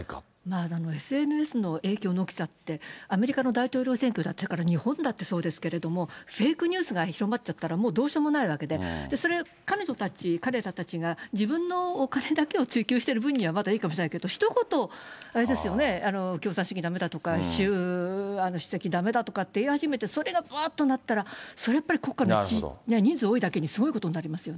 でもＳＮＳの影響の大きさって、アメリカの大統領選挙や、日本だってそうですけれども、フェイクニュースが広まっちゃったらもうどうしようもないわけで、それ、彼女たち、彼らたちが、自分のお金だけを追求してる分にはまだいいかもしれないけど、ひと言、あれですよね、共産主義だめだとか、習主席だめだとか言い始めて、それがばーっとなったら、それはやっぱり、国家の人数が多いだけにすごいことになりますよね。